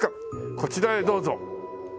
「こちらへどうぞ」